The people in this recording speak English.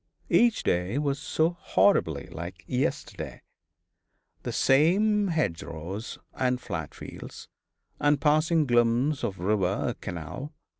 Each day was so horribly like yesterday. The same hedgerows and flat fields, and passing glimpse of river or canal.